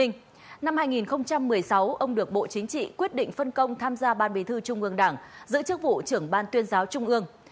năm hai nghìn một mươi sáu ông được bộ chính trị quyết định phân công tham gia ban bí thư trung ương đảng giữ chức vụ trưởng ban tuyên giáo trung ương